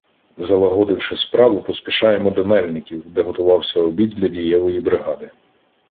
Залагодивши справу, поспішаємо до Мельників, де готувався обід для дієвої бригади.